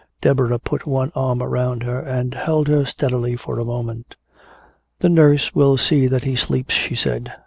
Deborah put one arm around her and held her steadily for a moment. "The nurse will see that he sleeps," she said.